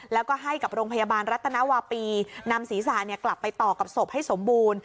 แล้วก็ให้กับโรงพยาบาลรัฐนาวาปีนำศีรษะกลับไปต่อกับศพให้สมบูรณ์